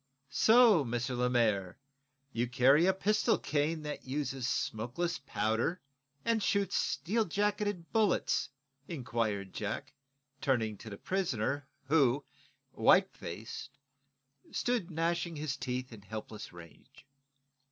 "So, M. Lemaire, you carry a pistol cane, that uses smokeless powder and shoots steel jacketed bullets?" inquired Jack, turning to the prisoner, who, white faced, stood gnashing hi's teeth in helpless rage.